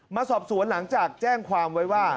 มาสอบสวนหลังจากแจ้งความไว้ว่า